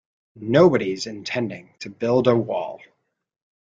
Nobody's intending to build a wall.